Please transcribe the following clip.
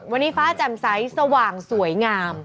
วันนี้ฟ้าแจ่มใสสว่างสวยงาม